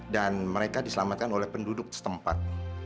mereka diselamatkan oleh penduduk setempat